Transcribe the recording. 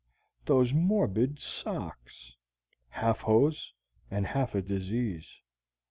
Those morbid socks! half hose and half a disease.